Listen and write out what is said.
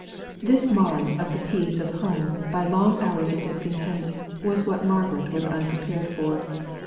This marring of the peace of home, by long hours of discontent, was what Margaret was unprepared for.